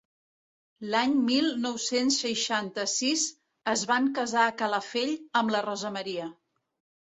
L'any mil nou-cents seixanta-sis es van casar a Calafell amb la Rosa Maria.